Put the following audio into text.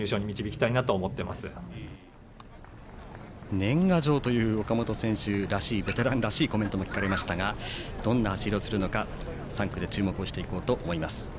年賀状という岡本選手らしいベテランらしいコメントも聞かれましたがどんな走りをするか３区で注目していこうと思います。